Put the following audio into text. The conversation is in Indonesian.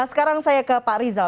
sekarang saya ke pak rizal